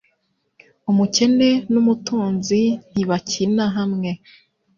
Umukene numutunzi ntibakina hamwe.